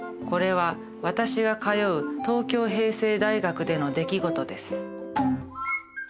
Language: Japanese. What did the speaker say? これは私が通う東京平成大学での出来事です。